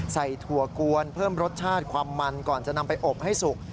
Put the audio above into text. ถั่วกวนเพิ่มรสชาติความมันก่อนจะนำไปอบให้สุก